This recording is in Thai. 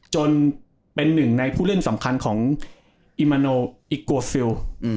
จนเป็นหนึ่งในผู้เล่นสำคัญของอิมาโนอิโกฟิล